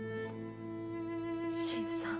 新さん。